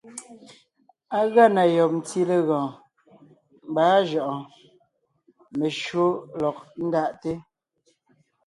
Á gʉa na yɔb ntí legɔɔn, mbà áa jʉʼɔɔn, meshÿó lɔg ńdaʼte.